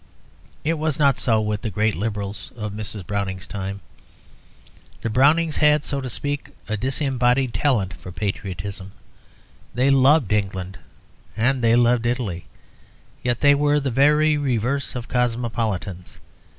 It was not so with the great Liberals of Mrs. Browning's time. The Brownings had, so to speak, a disembodied talent for patriotism. They loved England and they loved Italy; yet they were the very reverse of cosmopolitans.